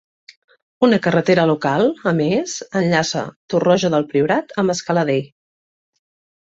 Una carretera local, a més, enllaça Torroja del Priorat amb Escaladei.